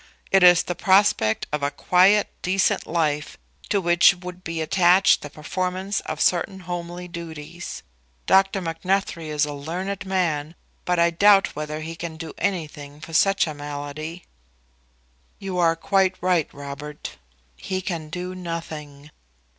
It is the prospect of a quiet decent life, to which would be attached the performance of certain homely duties. Dr. Macnuthrie is a learned man, but I doubt whether he can do anything for such a malady." "You are quite right, Robert; he can do nothing."